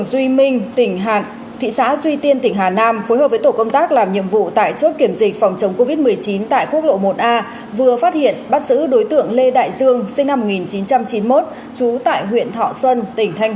chú tại huyện thọ xuân tỉnh thanh hóa gây ra một mươi một vụ trộm cắp tài sản